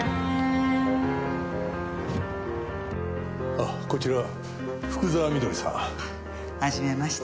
ああこちら福沢美登里さん。はじめまして。